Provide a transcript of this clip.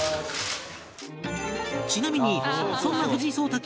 ちなみにそんな藤井聡太